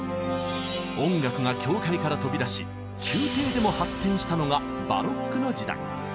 音楽が教会から飛び出し宮廷でも発展したのがバロックの時代。